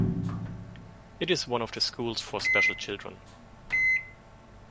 It is one of the schools for special children.